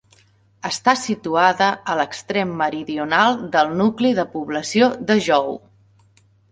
Està situada a l'extrem meridional del nucli de població de Jou.